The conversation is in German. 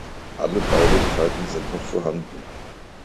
Alle Baulichkeiten sind noch vorhanden.